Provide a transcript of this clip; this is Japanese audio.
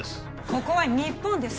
ここは日本です